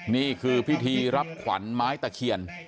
นี่คือพิธีรับขวัญไม้ตะเคียน